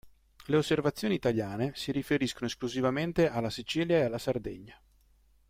Le osservazioni italiane si riferiscono esclusivamente alla Sicilia e alla Sardegna.